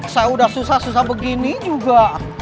saya sudah susah susah begini juga